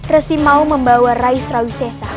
resi mau membawa rai surawi sesa